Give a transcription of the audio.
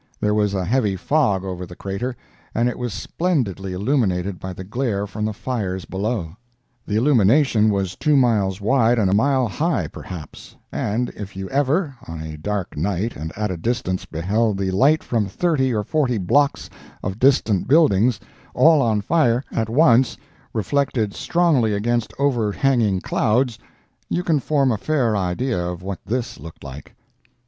There was a heavy fog over the crater and it was splendidly illuminated by the glare from the fires below. The illumination was two miles wide and a mile high, perhaps; and if you ever, on a dark night and at a distance beheld the light from thirty or forty blocks of distant buildings all on fire at once, reflected strongly against overhanging clouds, you can form a fair idea of what this looked like.